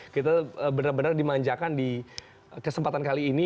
kita benar benar dimanjakan di kesempatan kali ini